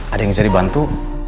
ada yang cari bantu